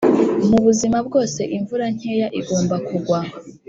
mubuzima bwose imvura nkeya igomba kugwa